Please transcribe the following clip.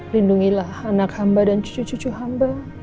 lindungilah anak hamba dan cucu cucu hamba